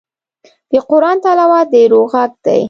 د قرآن تلاوت د روح غږ دی.